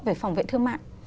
về phòng vệ thương mại